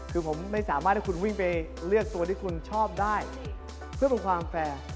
คือผมไม่สามารถที่คุณวิ่งไปเลือกตัวที่คุณชอบได้เพื่อเป็นความแฟร์